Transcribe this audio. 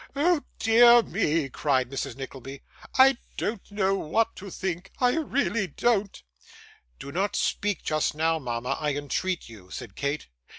'Oh dear me!' cried Mrs. Nickleby, 'I don't know what to think, I really don't.' 'Do not speak just now, mama, I entreat you,' said Kate.